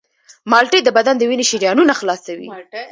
مالټې د بدن د وینې شریانونه خلاصوي.